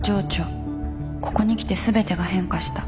ここに来て全てが変化した。